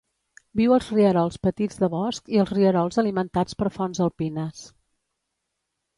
Viu als rierols petits de bosc i als rierols alimentats per fonts alpines.